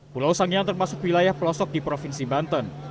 pulau sangiang termasuk wilayah pelosok di provinsi banten